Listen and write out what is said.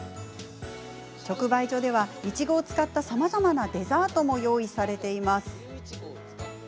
直売所ではイチゴを使ったさまざまなデザートも用意されています。